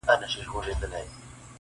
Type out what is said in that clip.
په امان له هر مرضه په تن جوړ ؤ,